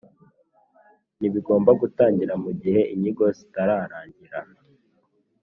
ntibigomba gutangira mu gihe inyigo zitararangira